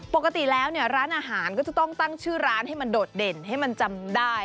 ปกติแล้วเนี่ยร้านอาหารก็จะต้องตั้งชื่อร้านให้มันโดดเด่นให้มันจำได้